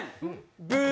ブー！